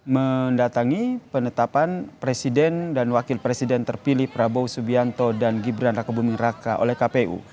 mendatangi penetapan presiden dan wakil presiden terpilih prabowo subianto dan gibran raka buming raka oleh kpu